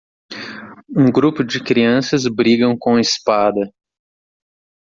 Um grupo de crianças brigam com espada.